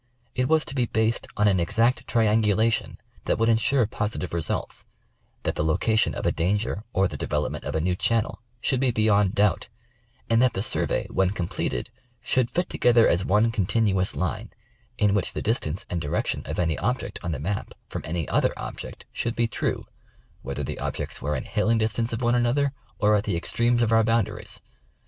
It was to be based on an exact triangula tion that would insure positive results, that the location of a danger or the development of a new channel, should be beyond doubt ; and that the survey, when completed, should fit together as one continuous line, in which the distance and direction of any object on the map from any other object should be true, whether the objects were in hailing distance of one another, or at the ex tremes of our boundaries.